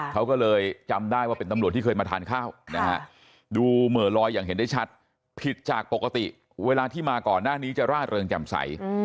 เขาก็เลยจำได้ว่าเป็นตำรวจที่เคยมาทานข้าวนะฮะดูเหม่อลอยอย่างเห็นได้ชัดผิดจากปกติเวลาที่มาก่อนหน้านี้จะร่าเริงจำใส